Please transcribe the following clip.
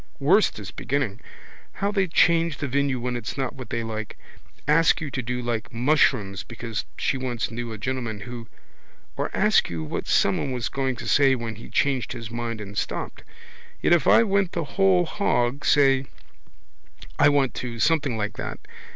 Worst is beginning. How they change the venue when it's not what they like. Ask you do you like mushrooms because she once knew a gentleman who. Or ask you what someone was going to say when he changed his mind and stopped. Yet if I went the whole hog, say: I want to, something like that.